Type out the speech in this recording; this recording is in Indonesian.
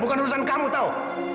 bukan urusan kamu tahu